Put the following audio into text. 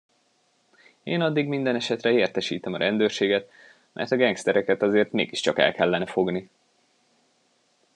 Én addig mindenesetre értesítem a rendőrséget, mert a gengsztereket azért mégiscsak el kellene fogni.